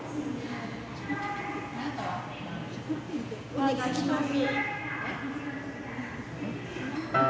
お願いします。